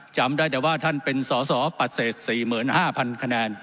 จำได้แต่ว่าท่านเป็นสอสอปฏิเสธ๔๕๐๐คะแนน